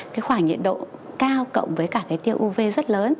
cái khoảng nhiệt độ cao cộng với cả cái tiêu uv rất lớn